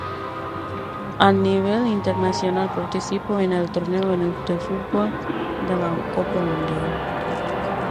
A nivel internacional participó en el torneo de fútbol de la Copa Mundial.